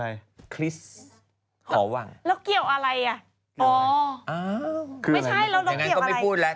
อย่างนั้นก็ไม่พูดแล้ว